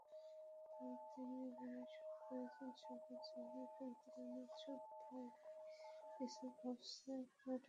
পরদিনই অভিনয় শুরু করেছেন সাগর জাহানের পরিচালনায় চুপ ভাই কিছু ভাবছে নাটকে।